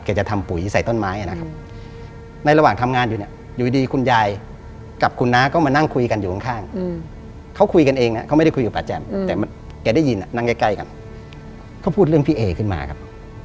เขาพูดเรื่องพี่เอขึ้นมาครับ